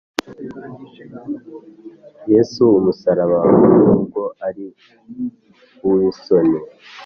Yes' umusaraba wawe, Nubw' ar' uw'isoni,